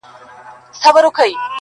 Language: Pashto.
هري خواته وه آسونه ځغلېدله -